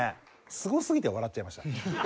すごすぎて笑っちゃいましたね。